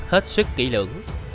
hết suất kỹ lưỡng